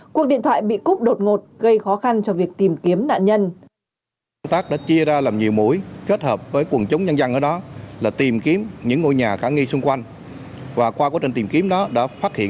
cuộc điện thoại bị cúp đột ngột gây khó khăn cho việc tìm kiếm nạn nhân